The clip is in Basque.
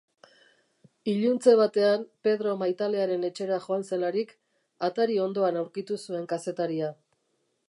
Iluntze batean Pedro maitalearen etxera joan zelarik, atari ondoan aurkitu zuen kazetaria.